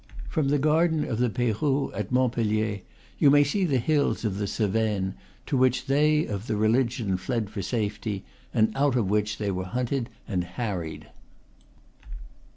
From the garden of the Peyrou, at Montpellier, you may see the hills of the Cevennes, to which they of the religion fled for safety, and out of which they were hunted and harried.